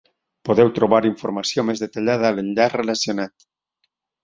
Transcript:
Podeu trobar informació més detallada a l'enllaç relacionat.